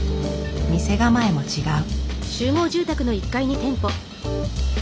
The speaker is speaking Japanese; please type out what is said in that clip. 店構えも違う。